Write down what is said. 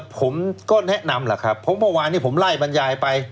ผมก็แนะนำแหละครับเพราะเมื่อวานที่ผมไล่บรรยายไป